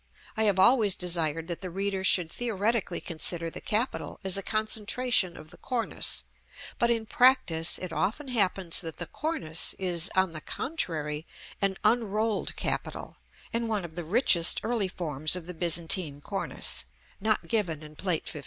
I have always desired that the reader should theoretically consider the capital as a concentration of the cornice; but in practice it often happens that the cornice is, on the contrary, an unrolled capital; and one of the richest early forms of the Byzantine cornice (not given in Plate XV.